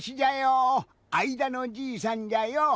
あいだのじいさんじゃよ。